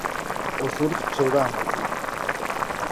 O surf chega a Malpica.